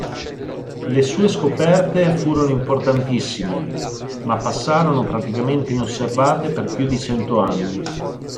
Le sue scoperte furono importantissime, ma passarono praticamente inosservate per più di cento anni.